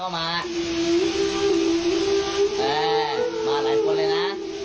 มาหลายคนเลยนะ